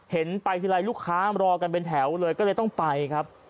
เห็นไปทีไรลูกค้ามารอกันเป็นแถวเลยก็เลยต้องไปครับ